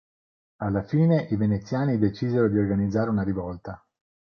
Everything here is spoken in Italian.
Alla fine i Veneziani decisero di organizzare una rivolta.